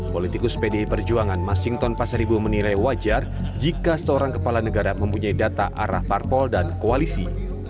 politikus pdi perjuangan mas sington pasar ibu menilai wajar jika seorang kepala negara mempunyai data arah parpol dan koalisi